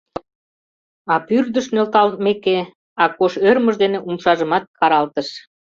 А пӱрдыш нӧлталтмеке, Акош ӧрмыж дене умшажымат каралтыш.